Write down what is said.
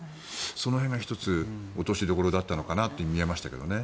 その辺が１つ落としどころだったのかなと見えましたけどね。